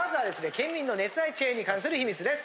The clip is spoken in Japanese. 県民の熱愛チェーンに関する秘密です。